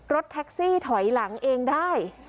รถแท็กซี่ถอยหลังเองได้